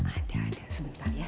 ada ada sebentar ya